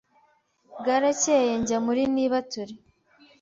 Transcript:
bwaracyeye njya muri nibature,